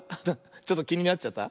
ちょっときになっちゃった？